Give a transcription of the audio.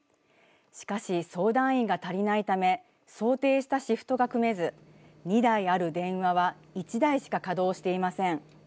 しかし相談員が足りないため想定したシフトが組めず２台ある電話は１台しか稼働していません。